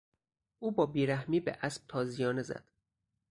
او با بیرحمی به اسب تازیانه زد.